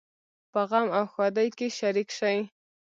په غم او ښادۍ کې شریک شئ